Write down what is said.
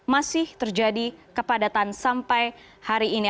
masih terjadi kepadatan sampai hari ini